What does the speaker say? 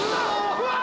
うわ！